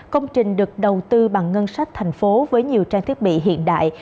công trình được đầu tư bằng ngân sách thành phố với nhiều trang thiết bị hiện đại